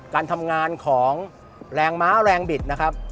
การทำงานของแรงม้าแรงบิดนะครับ